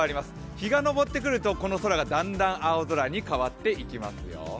日が昇ってくると、この空がだんだん青空に変わってきます。